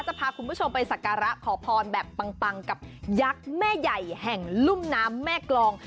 พาคุณผู้ชมไปสักการะขอพรแบบปังกับยักษ์แม่ใหญ่แห่งลุ่มน้ำแม่กรอง